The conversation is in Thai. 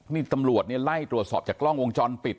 นี่ตำรวจเนี่ยไล่ตรวจสอบจากกล้องวงจรปิด